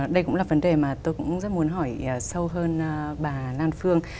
đây cũng là vấn đề mà tôi cũng rất muốn hỏi sâu hơn bà lan phương